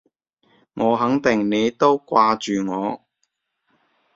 我肯定你都掛住我